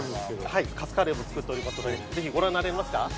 はいカツカレーも作っておりますのでぜひご覧になられますか？